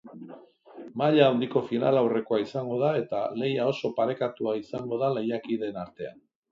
Maila handiko finalaurrekoa izango da eta lehia oso parekatua izango da lehiakideen artean.